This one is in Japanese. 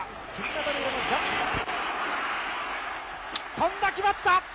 飛んだ、決まった。